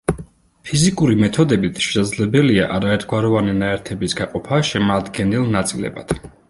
ფიზიკური მეთოდებით შესაძლებელია არაერთგვაროვანი ნაერთების გაყოფა შემადგენელ ნაწილებად.